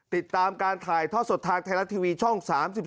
ติดตามการถ่ายทอดสดทางไทยรัฐทีวีช่อง๓๒